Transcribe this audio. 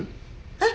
えっ？